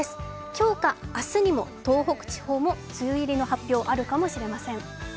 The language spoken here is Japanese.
今日か明日にも東北地方も梅雨入りの発表があるかもしれません。